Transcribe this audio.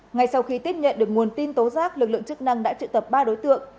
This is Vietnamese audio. ngay sau khi tiếp nhận được nguồn tin tố giác lực lượng chức năng đã trự tập ba đối tượng